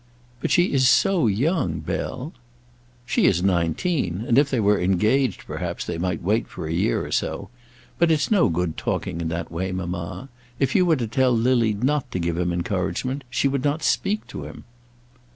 "But she is so young, Bell." "She is nineteen; and if they were engaged, perhaps, they might wait for a year or so. But it's no good talking in that way, mamma. If you were to tell Lily not to give him encouragement, she would not speak to him."